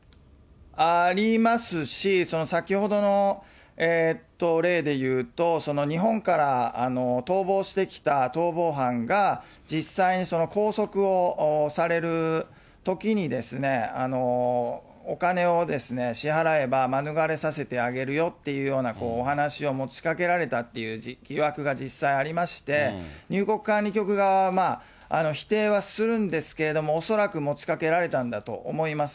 ありますし、先ほどの例でいうと、日本から逃亡してきた逃亡犯が、実際に拘束をされるときに、お金を支払えば免れさせてあげるよっていうお話を持ちかけられたっていう疑惑が実際ありまして、入国管理局側は否定はするんですけれども、恐らく持ちかけられたんだと思います。